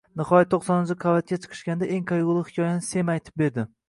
Nihoyat, toʻqsoninchi qavatga chiqishganda, eng qaygʻuli hikoyani Sem aytib berdi.